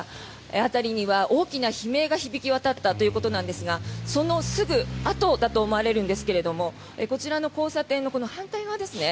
辺りには大きな悲鳴が響き渡ったということなんですがそのすぐあとだと思われるんですがこちらの交差点の反対側ですね。